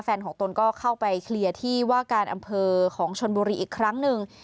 แฟนของตนก็เข้าไปเคลียร์ที่ว่าการอำเภอของชนบุรีอีกครั้งหนึ่ง